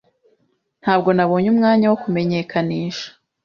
Ntabwo nabonye umwanya wo kumumenyekanisha.